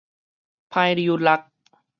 歹扭搦